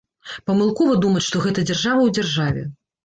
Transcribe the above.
Памылкова думаць, што гэта дзяржава ў дзяржаве.